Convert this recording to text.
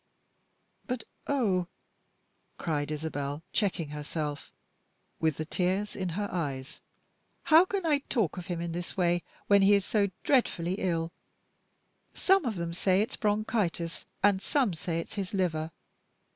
But, oh!" cried Isabel, checking herself, with the tears in her eyes, "how can I talk of him in this way when he is so dreadfully ill! Some of them say it's bronchitis, and some say it's his liver.